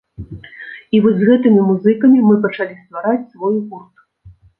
І вось з гэтымі музыкамі мы пачалі ствараць свой гурт.